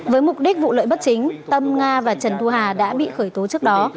với mục đích vụ lợi bất chính tâm nga và trần thu hà đã bị khởi tố trước đó